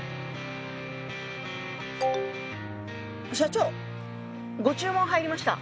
社長ご注文入りました。